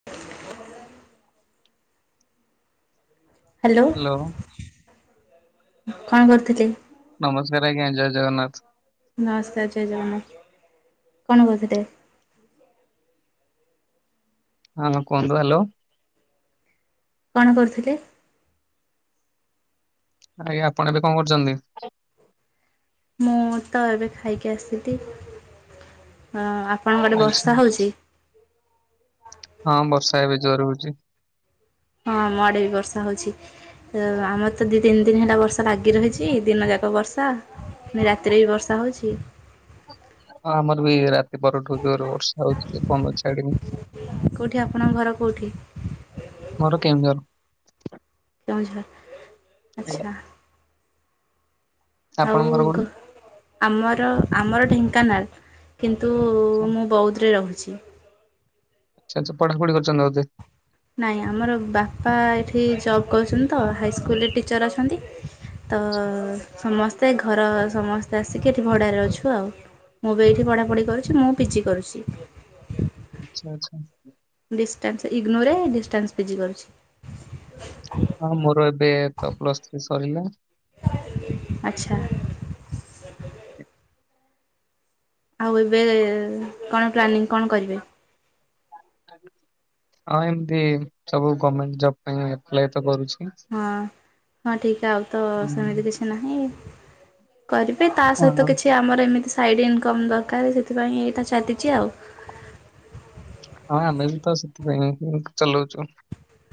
[inaudible] Hello. Hello. କଣ କରୁଥିଲେ? ନମସ୍କାର ଆଜ୍ଞା ଜୟ ଜଗନ୍ନାଥ। ନମସ୍କାର ଜୟ ଜଗନ୍ନାଥ। କଣ କହୁଥିଲେ? ହଁ କୁହନ୍ତୁ ହ୍ୟାଲୋ। କଣ କରୁଥିଲେ? ଆଜ୍ଞା ଆପଣ ଏବେ କଣ କରୁଛନ୍ତି? ମୁଁ ତ ଏବେ ଖାଇକି ଆସିଲି। ଆପଣଙ୍କ ଆଡେ ଆଚ୍ଛା ବର୍ଷା ହଉଚି? ହଁ ବର୍ଷା ଏବେ ଜୋରେ ହଉଚି। ହଁ ଆମ ଆଡେ ବି ବର୍ଷା ହଉଚି। ଅ ଆମର ତ ଦି ତିନି ଦିନ ହେଲା ବର୍ଷା ଲାଗି ରହିଚି। ଦିନ ଯାକ ବର୍ଷା। ରାତିରେ ବି ବର୍ଷା ହଉଚି। ହଁ ଆମର ବି ରାତି ପରଠୁ ଜୋରେ ବର୍ଷା ହଉଚି ଏ ପର୍ଯ୍ୟନ୍ତ ଛାଡିନି। କୋଉଠି ଆପଣଙ୍କ ଘର କୋଉଠି? ଆମ ଘର କେଉଁଝର। କେଉଁଝର, ଏ, ଆଚ୍ଛା। ଆଉ ଆପଣଙ୍କ ଘର ଘ କୋଉଠି? ଆମର ଆମର ଢେଙ୍କାନାଳ। କିନ୍ତୁ ମୁଁ ବୌଦ ରେ ରହୁଚି। ସେ [unintelligible] ପଢାପଢି କରିୁଚନ୍ତି ବୋଧେ। ନାଇଁ ଆମର ବାପା ଏଠି ଜବ କରୁଚନ୍ତି ତ ହାଇସ୍କୁଲରେ ଟିଚର ଅଛନ୍ତି। ତ ସମସ୍ତେ ଘର ସମସ୍ତେ ଆସିକି ଏଠି ଭଡାରେ ଅଛୁ ଆଉ। ମୁଁ ବି ଏଇଠି ପଢାପଢି କରୁଛଚି। ମୁଁ ପିଜି କରୁଚି। ଆଚ୍ଛା ଆଚ୍ଛା। ଡିଷ୍ଟାନ୍ସ ଇଗ୍ନୋରେ ଡିଷ୍ଟାନ୍ସ ପିଜି କରୁଚି। ହଁ ମୋର ଏବେ ତ ପ୍ଲସ୍ ଥ୍ରୀ ସ‌ଇଲା। ଆଚ୍ଛା‌। ଆଉ ଏବେ କଣ ପ୍ଲାନିଂ କଣ କରିବେ? ଆଉ ଏମତି ସବୁ ଗମେଣ୍ଟ ଜବ ପାଇଁ ଆପ୍ଲାଏ ତ କରୁଚି। ହଁ ହଁ ଠିକ ଆଉ ତ ହୁଁ, ସେମିତି କିଛି ନାହିଁ। କରିବେ ତା ସହିତ ହଁ କିଛି ଆମର ଏମିତି ସାଇଡ ଇନକମ ଦରକାର ସେଥିପାଇଁ ଏଇଟା ଚାଲିଚି ଆଉ। ହଁ ଆମେ ବି ତ ସେଥିପାଇଁ ଚଲଉଚୁ।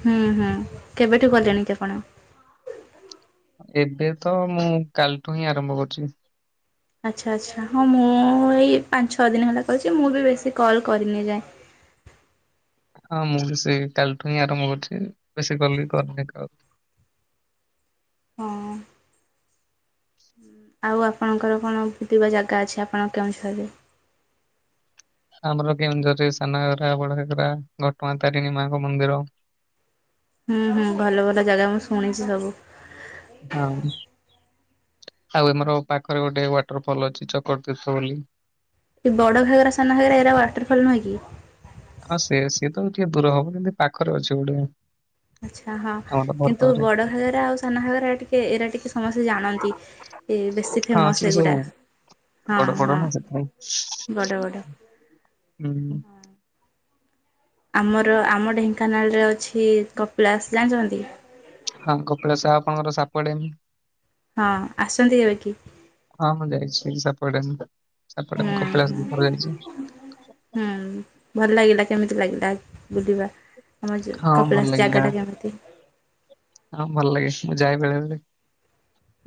ହୁଁ ହୁଁ କେବେଠୁ କଲେଣି କି ଆପଣ? ଏବେ ତ ମୁଁ କାଲିଠୁ ହିଁ ଆରମ୍ଭ କରୁଚି। ଆଚ୍ଛା ଆଚ୍ଛା ହଁ ମୁଁ ଏଇ ପାଞ୍ଚ ଛଅ ଦିନ ଖଣ୍ଡେ କରିଚି। ମୁଁ ବି ବେଶୀ କଲ କରିନି ଏ ଯାଏଁ। ହଁ ମୁଁ ବି ସେଇ କାଲିଠୁ ହିଁ ଆରମ୍ଭ କରିଚି ବେଶୀ କଲ ବି କରିନି କାହାକୁ। ହଁ। ଆଉ ଆପଣଙ୍କର କଣ ଭୁତିବା ଜାଗା ଅଛି ଆପଣ କେଉଁଝରେ? ଆମର କେଉଁଝରରେ ସାନ ଘଗରା ବଡ ଘାଗରା ଘଟଗାଁ ତାରିଣୀ ମାଙ୍କ ମନ୍ଦିର। ହୁଁ ହୁଁ ଭଲ ଭଲ ଜାଗା ମୁଁ ଶୁଣିଚି ସବୁ। ହଁ। ଆଉ ଆମର ପାଖରେ ଗୋଟେ ୱାଟର ଫଲ ଅଛି ଚକ ତୀର୍ସ ବୋଲି। ବଡ ଘାଗରା ସାନ ଘାଗରା ଏରା ୱାଟରଫଲ ନୁହେଁ କି? ହଁ ସେ ସିଏ ତ ଟିକେ ଦୂର ହବ କିନ୍ତୁ ପାଖରେ ଅଛି ଗୋଟେ। ଆଚ୍ଛା ହଁ ଆମର ଘର କିନ୍ତୁ ପାଖରେ ବଡ ଘାଗରା ଆଉ ସାନ ଘାଗରା ଟିକେ ଏଇରା ଟିକେ ସମସ୍ତେ ଜାଣନ୍ତି। ଏ ବେଶୀ ହଁ ଫେମସ ସେ ସବୁ ଏଗୁଡା। ବଡ ବଡ ନା ସେଥିପାଇଁ। ବଡ ବଡ ହୁଁ। ଆମର ଆମ ଢେଙ୍କାନାଳରେ ଅଛି କପିଳାସ ଜାଣିଚନ୍ତି। ହଁ କପିଳାସ ଆପଣଙ୍କର ସାପୁଆ ଡିମ୍ ହଁ ଆସିଚନ୍ତି କି ଦେଖି? ହଁ ମୁଁ ଯାଇଚି ସାପୁଆ ଡ୍ୟାମ ସାପୁଆ ହୁଁ ଡ୍ୟାମ କପିଳାସ ହୁଁ ଦିଇ ଥର ଯାଇଚି। ହୁଁ ଭଲ ଲାଗିଲା କେମିତି ଲାଗିଲା ବୁଲିବା। ଆମ ହଁ ଭଲ କପିଳାସ ଲାଗିଲା। ଜାଗା ଟା କେମିତି? ହଁ ଭଲ ଲାଗେ ମୁଁ ଯାଏ ବେଳେ ବେଳେ।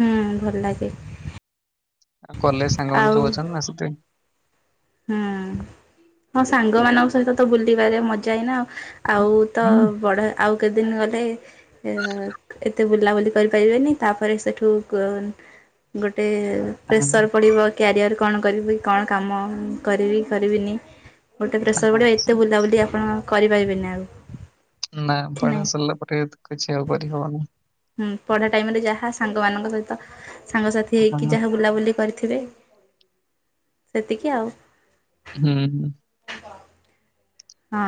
ହୁଁ ଭଲ ଲାଗେ। ଆଉ କଲେଜ ସାଙ୍ଗମାନେ ଆଉ ସବୁ ଅଛନ୍ତି ନା ସେଥିପାଇଁ। ହୁଁ ହଁ ସାଙ୍ଗ ମାନଙ୍କ ସହିତ ତ ବୁଲିବାରେ ମଜା ଏଇନା ଆଉ। ଆଉ ତ ବଡ ଆଉ କେତେ ଦିନ ଗଲେ ଏତେ ବୁଲାବୁଲି କରିପାରିବେନି ତାପରେ ସେଠୁ ଗୋଟେ ପ୍ରେସର ପଡିବ। କ୍ୟାରିଅର କଣ କରିବି କଣ କାମ କରିବି କରିବିନି। ଗୋଟେ ପ୍ରେସର ପଡିବ ସେ ଏତେ ବୁଲାବୁଲି ଆପଣ କରି ପାରିବେନି ଆଉ। ନାଁ କି ପଢା ନାହିଁ। ସରିଲା ପରେ କିଛି ଆଉ କରି ହବନି। ହୁଁ ପଢା ଟାଇମ୍ ରେ ଯାହା ସାଙ୍ଗ ମାନଙ୍କ ସହିତ ସାଙ୍ଗସାଥି ହେଇକି ହଁ ଯାହା ବୁଲାବୁଲି କରି ଥିବେ ସେତିକି ଆଉ। ହୁଁ। [unintelligible] ହଁ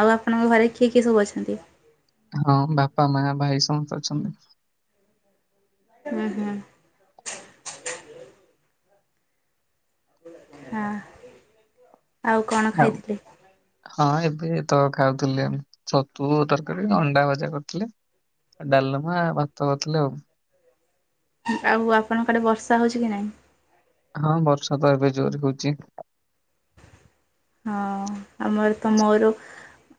ଆଉ ଆପଣଙ୍କ ଘରେ କିଏ କିଏ ସବୁ ଅଛନ୍ତି? ହଁ ବାପା, ମା, ଭାଇ ସମସ୍ତେ ଅଛନ୍ତି। ଅଁ, ହଁ। ହଁ ଆଉ କଣ ଖାଇଥିଲେ? ହଁ ଏବେ ତ ଖାଉଥୁଲେ ଆମେ ଛତୁ ତରକାରୀ ଅଣ୍ଡା ଭଜା କରିଥିଲେ। ଏ ଡାଲମା ଭାତ ଥିଲା ଆଉ। ହୁଁ, ଆଉ ଆପଣଙ୍କ ଆଡେ ବର୍ଷା ହଉଛି କି ନାହିଁ? ହଁ ବର୍ଷା ତ ଏବେ ଜୋର ହଉଚି। ହଁ ଆମର ତ ମୋର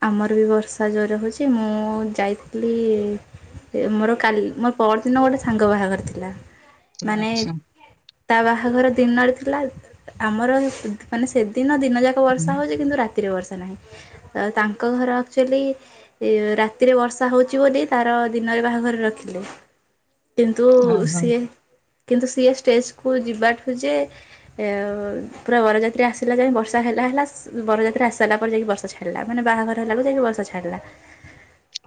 ଆମର ବି ବର୍ଷା ଜୋର ହଉଛି ମୁଁ ଯାଇଥିଲି ଏ ମୋର କାଲ ମୋର ପରଦିନ ଗୋଟେ ସାଙ୍ଗ ବାହାଘର ଥିଲା। ମାନେ ଆଚ୍ଛା ତା ବାହାଘର ଦିନରେ ଥିଲା। ଆମର ଦ-ମାନେ ସେଦିନ ଦିନ ଯାକ ବର୍ଷା ହୁଁ, ହଉଚି। କିନ୍ତୁ ରା ତିର ବର୍ଷା ନାହିଁ। ତ ତାଙ୍କ ଘର ଆକ୍ଚୁଲି ଏ ରାତିରେ ବର୍ଷା ହଉଚୁ ବୋଲି ତାର ଦିନରେ ବାହାଘର ରଖିଲେ। କିନ୍ତୁ ହଁ ହଁ ସିଏ କିନ୍ତୁ ସିଏ ଷ୍ଟେଜକୁୁ ଯିବାଠୁ ଯେ ଏ ଅ, ପୁରା ବରଯାତ୍ରୀ ଆସିଲା ଯାଏ ବର୍ଷା ଷା ହେଲା ହେଲା ଉଁ, ବରଯାତ୍ରୀ ଆସି ସାଇଲା ପରେ ଯାଇକି ବର୍ଷା ଛାଡ଼ିଲା। ମାନେ ବାହାଘର ହେଲାବେଳୁ ଯାଇ ଯୋଉ ବର୍ଷା ଛାଡ଼ିଲା।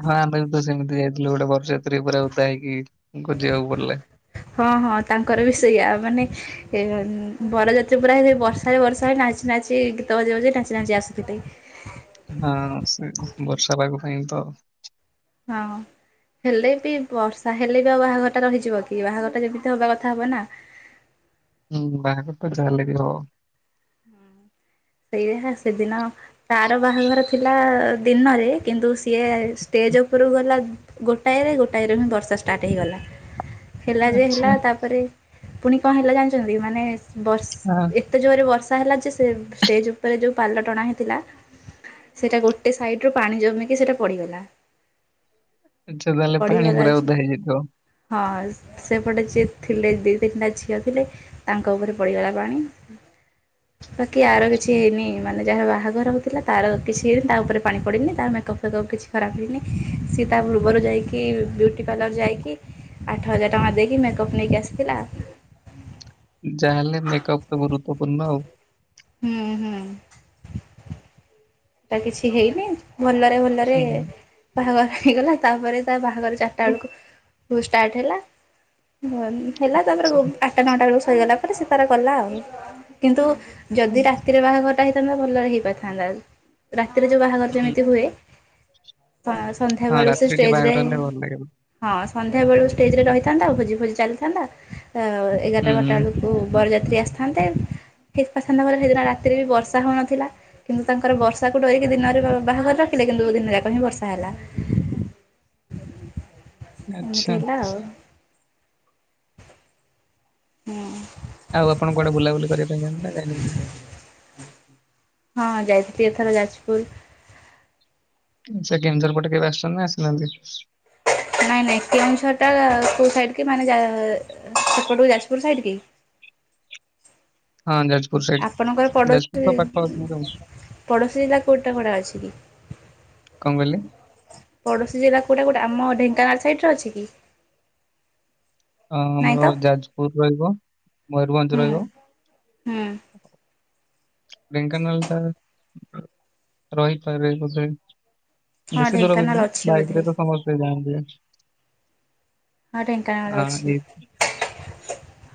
ହଁ ଆମେ ବି ତ ସେମିତି ଯାଇଥିଲୁ ଗୋଟେ ବରଯାତ୍ରୀ ପୁରା ଉଦା ହେଇକି ଖୋଜିବାକୁ ପଡିଲା। ହଁ ହଁ ତାଙ୍କର ବି ସେଇଆ ମାନେ ଏ ଉଁ, ବରଯାତ୍ରୀ ପୁରା ହେ ସେ ବର୍ଷାରେ ବର୍ଷା ରେ ନାଚି ନାଚି ଗୀତ ବଜେଇ ବଜେଇ ନାଚି ନାଚି ଆସୁଥିଲେ। ହଁ ସେ ବର୍ଷା ପାାଗ ପାଇଁ ତ ହଁ ହେଲେ ବି ବର୍ଷା ହେଲେ ବି ଆଉ ବାହାଘର ଟା ରହିଯିବ କି ବାହାଘର ଟା ଯେମିତି ହବା କଥା ହବ ନା। ହୁଁ ବାହାଘର ତ ଯାହେଲେ ବି ହବ। ହୁଁ। ସିଏ ହେ ସେଦିନ ତାର ବାହାଘର ଥିଲା ଦିନରେ କିନ୍ତୁ ସିଏ ଷ୍ଟେଜ୍ ଉପରକୁ ଗଲା ଗୋଟାଏରେ ଗୋଟାଏରୁ ହିଁ ବର୍ଷା ଷ୍ଟାର୍ଟ ହେଇଗଲା। ହେଲା ଯେ ଆଚ୍ଛା ହେଲା ତାପରେ ପୁଣି କଣ ହେଲା ଜାଣିଚନ୍ତି ମାନେ ବର୍ଷ ହଁ ଏ ଏତେ ଜୋରେ ବର୍ଷା ହେଲା ଯେ ସେ ଟେଜ୍ ଉପରେ ଯୋଉ ପାଲ ଟଣା ହେଇଥିଲା ସେଇଟା ଗୋଟେ ସାଇଡ୍ ରୁ ପାଣି ଜମିକି ସେଇଟା ପଡ଼ିଗଲା। ଆଚ୍ଛା ତାହେଲେ ପାଣି ପଡ଼ିଗଲା ପୁରା ଯେ ଉଦା ହେଇଯାଇଥିବ। ହଁ ସେପଟେ ଯିଏ ଥିଲେ ଦି ତିନିଟା ଝିଅ ଥିଲେ ତାଙ୍କ ଉପରେ ପଡିଗଲା ପାଣି। ବାକି ଆର କିଛି ହେଇନି ମାନେ ଯାହା ବାହାଘର ହଉଥିଲା ତାର କିଛି ହେଇନି। ତା ଉପରେ ପାଣି ପଡ଼ିନି ତାର ମେକଅପ୍ ଫେକପ୍ କିଛି ଖରାପ ହେଇନି। ସିଏ ତା ପୂର୍ବରୁ ଯାଇ କି ବିୟୁଟି ପାର୍ଲର ଯାଇକି ଆଠ ହଜାର ଟଙ୍କା ଦେଇକି ମେକଅପ୍ ନେଇକି ଆସିଥିଲା। ଯାହେଲେ ମେକଅପ୍ ତ ଗୁରୁତ୍ୱପୂର୍ଣ୍ଣ। ହୁଁ, ହୁଁ। ତ କିଛି ହେଇନି ଭଲରେ ଭଲରେ ହୁଁ। ବାହାଘର ହେଇଗଲା। ତାପରେ ତା ବାହାଘର ଚାରଟା ବେଳକୁ ଉ, ଷ୍ଟାର୍ଟ ହେଲା। ଭଲ ହେଲା ତାପରେ ବୁବ ଆଟା ନଅଟା ବେଳୁ ସରିଗଲା ପରେ ସେ ତାର ଗଲା ଆଉ। କିନ୍ତୁ ଯଦି ହୁଁ ରାତିରେ ବାହାଘରଟା ହେଇଥାନ୍ତା ଭଲ ହେଇପାରିଥାନ୍ତା ଆଉ। ରାତିରେ ଯୋଉ ବାହାଘର ଯେମିତି ହୁଏ ତ ସନ୍ଧ୍ୟା ହଁ ବେଳୁ ସେ ରାତିରେ ଟିକେ ଷ୍ଟେଜ୍ ରେ ବାହାଘର ହେଲେ ଭଲ ଲାଗିବ। ହଁ ସନ୍ଧ୍ୟା ବେଳୁ ଷ୍ଟେଜ୍ ରେ ରହିଥାନ୍ତା। ଆଉ ଭୋଜି ଫୋଜି ଚାଲିଥାନ୍ତା। ଅ, ଏଗାରଟା ହୁଁ ବାରଟା ବେଳକୁ ଓ ବରଯାତ୍ରୀ ଆସିଥାନ୍ତେ। ହେଇପାରିଥାନ୍ତା ଭଲ ସେଦିନ ରାତିରେ ବି ବର୍ଷା ହଉନଥିଲା। କିନ୍ତୁ ତାଙ୍କର ବର୍ଷାକୁ ଡରିକି ଦିନରେ ବ-ବାହାଘର ରଖିଲେ କିନ୍ତୁ ଦିନ ଯାକ ହିଁ ବର୍ଷା ହେଲା। ଆଚ୍ଛା ଏମିତି ହେଲା ଆଉ। ହଁ। ଆଉ ଆପଣ କୁଆଡେ ବୁଲା ବୁଲି କରିବା ପାଇଁ ଜାନ୍ତି ନା ଜାଇ ନାଆନ୍ତି। ହଁ ଯାଇଥିଲି ଏଥର ଯାଜପୁର। ସେ କେନ୍ଦୁଝର ପଟେ କେବେ ଆସିଛନ୍ତି ନା ଆସିନାହାନ୍ତି। ନାଇଁ ନାଇଁ କେଉୁଁଝର ଟା କୋଉ ସାଇଡ କି ମାନେ ଜା ସେପଟକୁ ଯାଜପୁର ସାଇଡ କି। ହଁ ଯାଜପୁର ସାଇଟ ଆପଣଙ୍କର ଯାଜପୁର ପଡ଼ୋଶୀ ତ ପାଖ ଅଛି କେ ପଡ଼ୋଶୀ ଜିଲ୍ଲା କେଉଁଟା ପଡା ଅଛି କି ‌। କଣ କହିଲେ। ପଡ଼ୋଶୀ ଜିଲ୍ଲା କୋଉଟା କୋଉଟା ଆମ ଢେଙ୍କାନଳ ସାଇଟ ରେ ଅଛି କି। ଆଁ ନାଇଁ ତ ଆମର ଯାଜପୁର ରହିବ ହୁଁ ମୟରଭଞ୍ଜ ରହିବ। ହୁଁ। ଢେଙ୍କାନାଳ ଟା ରହିପାରେ ବୋଧେ। ହଁ ବେଶୀ ଦୂର ବି ଢେଙ୍କାନାଳ ନୁଏ ଅଛି ବାଇକ ବୋଧେ ରେ ତ ସମସ୍ତେ ଯାଆନ୍ତି ‌। ହଁ ଢେଙ୍କାନାଳ ହଁ ଅଛି ଏଇ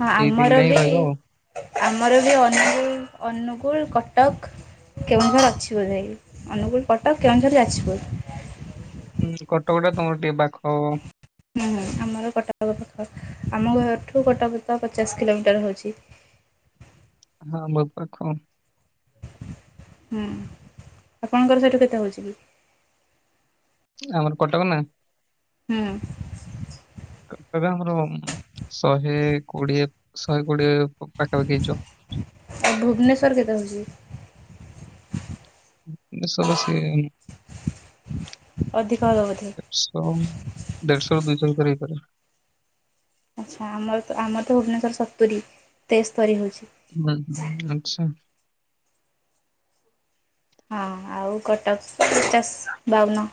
ହଁ ଏଇ ଆମର ତିନିଟା ହିଁ ବି। ରହିବ ଆଉ। ଆମର ବି ଅନୁଗୁଳ ଅନୁଗୁଳ କଟକ। କେଉଁଝର ଅଛିି ବୋଧେ ଅନୁଗୁଳ କଟକ କେଉଁଝର ଯାଜପୁର। ହୁଁ କଟକ ଟା ତମର ଟିକେ ପାଖ ହବ। ହୁଁ ଆମର କଟକ ପାଖ ଆମ ଘରଠୁ କଟକ ତ ପଚାଶ କିଲୋମିଟର ହଉଛି। ହଁ ଆମର ପୁରା କମ୍। ହୁଁ ଆପଣଙ୍କର ସେଇଠୁ କେତେ ହେଉଛି କି? ଆମର କଟକ ନା। ହୁଁ। କଟକ ଆମର ମ ଶହେ କୋଡିଏ ଶହେ କୋଡିଏ ପାଖାପାଖି ହେଇଯିବ। ଆଉ ଭୁବନେଶ୍ଵର କେତେ ହଉଛି? ମେଶୋ ର ସେଲ୍। ଅଧିକ ହବ ବୋଧେ। ଶମ ଦେଢଶ ରୁ ଦୁଇଶ ଭିତରେ ହେଇପାରେ। ଆଚ୍ଛା ଆମର ତ ଆମର ତ ଭୁବନେଶ୍ୱର ସତୁରି ତେସ୍ତରୀ ହଉଛି। ହୁଁ ହୁଁ ଆଚ୍ଛା। ହଁ ଆଉ କଟକ ତ ପଚାଷ ବାଉନ‌।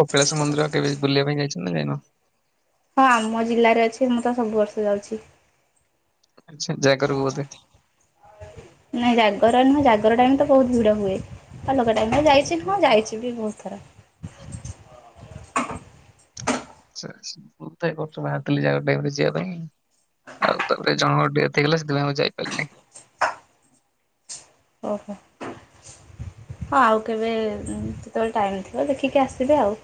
କପିଳାସ ମନ୍ଦିର କେବେ ବୁଲିବା ପାଇଁ ଯାଇଚ ନା ଯାଇନ। ହଁ ଆମ ଜିଲ୍ଲାରେ ଅଛି ମୁଁ ତ ସବୁ ବର୍ଷ ଯାଉଛି। ଆଛା ଜାଗର କୁ ବୋଧେ। ନାଇଁ ଜାଗର ନୁହେଁ ଜାଗର ଟାଇମ ତ ବହୁତ ଭିଡ ହୁଏ ଅଲଗା ଟାଇମ ରେ ଯାଇ ଛୀ ହଁ ଆଚ୍ଛା, ଯାଇଛି ବି ବହୁତ ଥର। ଆଛା ଆଛା ମୁଁ ତ ଏ ବର୍ଷ ବାହାରଥିଲି ଜାଗର ଟାଇମ ରେ ଯିବା ପାଇଁ। ଆଉ ତାପରେ ଜଣଙ୍କର ଡେଥ ହେଇଗଲା ସେଥିପାଇଁ ଆଉ ଯାଇପାରିଲି ନି। ଓହୋ। ହଁ ଆଉ କେବେ ଉଁ କେତେବେଳେ ଟାଇମ୍ ଥିବ ଦେଖିକି ଆସିବେ ଆଉ।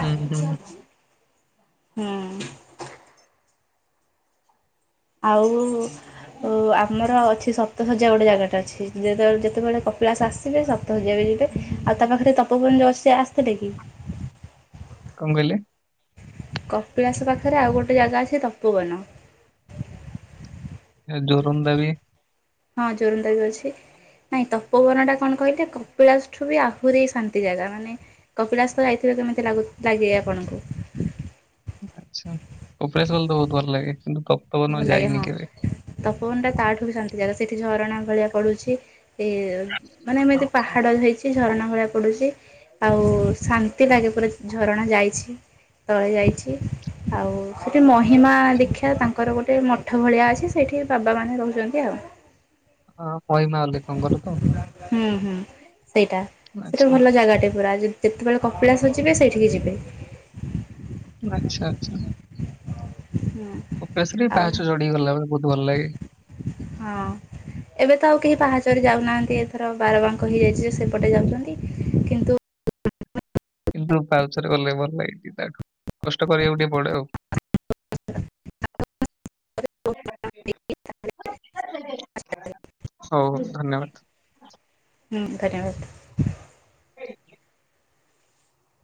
ହୁଁ, ହୁଁ। ହୁଁ। ଆଉ। ଉ ଆମର ଅଛି ସପ୍ତସଯ୍ୟା ଗୋଟେ ଜାଗାଟା ଅଛି ଯେତେ ବେଳେ ଯେତେ ବେଳେ କପିଳା ଆସି ସିବେ ସପ୍ତ ସଯ୍ୟା ବି ଯିବେ ଆଉ ତା ପାଖରେ ତପୋବନ ଯୋଉ ଅଛି ଆସିଥିଲେ କି। କଁ କହିଲେ। କପିଳାସ ପାଖରେ ଆଉ ଗୋଟେ ଜାଗା ଅଛି ତପୋବନ। ଯୋଉ ଜୋରନ୍ଦା ବି। ହଁ ଜୋରନ୍ଦା ବି ଅଛି। ନାଇଁ ତପୋବନ ଟା କଣ କହିଲେ କପିଳାସ ଠୁ ବି ଆହୁରି ଶାନ୍ତି ଜାଗା ମାନେ। କପିଳାସ ତ ଯାଇଥିବେ କେମିତି ଲାଗୁ ଲାଗେ ଆପଣଙ୍କୁ। ଆଛା କପିଳାସ ଗଲେ ତ ବହୁତ ଭଲ ଲାଗେ କିନ୍ତୁ ତ ଭଲ ଲାଗେ ହଁ ତପୋବନ ଟା ତାଠୁ ବି ଶାନ୍ତି ଜାଗା ସେଠି ଝରଣା ଭଳିଆ ପଡୁଛି। ଏ ମାନେ ଏମିତି ପାହାଡ ହେଇଚି। ଝରଣା ଭଳିଆ ପଡୁଛି ଆଉ ଶାନ୍ତି ଲାଗେ ପୁରା ଝରଣା ଯାଇଛି। ତଳେ ଯାଇଛି ଆଉ ସେଠି ମହିମା ଆଚ୍ଛା। ଦୀକ୍ଷା ତାଙ୍କର ଗୋଟେ ମଠ ଭଳିଆ ଅଛି ସେଇଠି ବାବା ମାନେ ରହୁଛନ୍ତି ଆଉ। ହଁ ମହିମା ଅଲେଖଙ୍କର ତ। ହୁଁ ହୁଁ ସେଇଟା ସେଟା ଆଚ୍ଛା, ଭଲ ଜାଗା ଟେ। ପୁରା ଯେ ଯେତେବେଳେ କପିଳାସ ଯିବେ ସେଇଠିକି ଯିବେ। ଆଚ୍ଛା ଆଚ୍ଛା। ହଁ। କପିଳାସରେ ବି ପାହାଚ ଚଢିକି ଗଲାବେଳେ ବହୁତ ଭଲ ଲାଗେ। ହଁ। ଏବେ ତ ଆଉ କେହି ପାହାଚରେ ଯାଉନାହାନ୍ତି ଏଥର ବାରବାଙ୍କ ହେଇଯାଇଛି ଯେ ସେପଟେ ଯାଉଛନ୍ତି କିନ୍ତୁ କିନ୍ତୁ ଫାହୁଚରେ ଗଲେ ଭଲ ଲାଗେ ଟିକେ ତାଠୁ କଷ୍ଟ କରିବାକୁ ଟିକେ ପଡେ ଆଉ। [unintelligible] ହୁଁ ହଉ ଧନ୍ୟବାଦ। ହୁଁ ଧନ୍ୟବାଦ। [unintelligible]